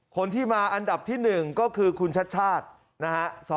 คนที่มาอันดับที่๑ก็คือคุณชัดชาตินะฮะ